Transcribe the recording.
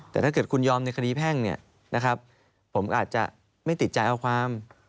แต่ถ้าเกิดคุณยอมในคดีแพ่งเนี่ยนะครับผมอาจจะไม่ติดใจเอาความ